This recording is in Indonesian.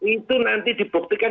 itu nanti dibuktikan